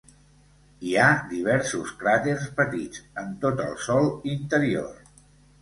Hi ha diversos cràters petits en tot el sòl interior.